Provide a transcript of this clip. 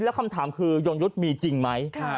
แล้วคำถามคือยงยุทธ์มีจริงไหม